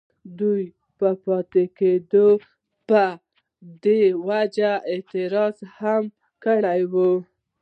ددوي پۀ پاتې کيدو پۀ دې وجه اعتراض هم کړی وو،